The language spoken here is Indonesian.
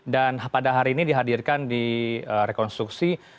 dan pada hari ini dihadirkan di rekonstruksi